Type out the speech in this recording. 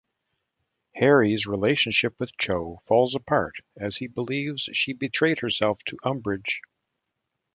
Harry's relationship with Cho falls apart, as he believes she betrayed herself to Umbridge.